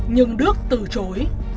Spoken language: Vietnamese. nhưng đức từ chối